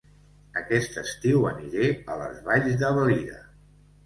Aquest estiu aniré a Les Valls de Valira